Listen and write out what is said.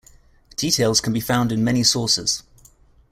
Details can be found in many sources.